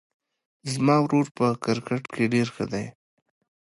زما ورور په کرکټ کې ډېر ښه ده